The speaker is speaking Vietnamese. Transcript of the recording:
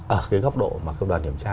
ở cái góc độ mà cơ bản điểm tra